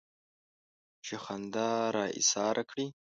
چې خندا را ايساره کړي.